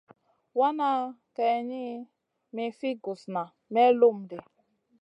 Wana kayni mi fi gusna may lum ɗi.